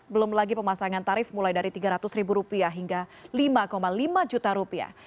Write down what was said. belum lagi pemasangan tarif mulai dari tiga ratus ribu rupiah hingga lima lima juta rupiah